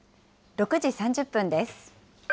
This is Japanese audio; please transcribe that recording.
６時３０分です。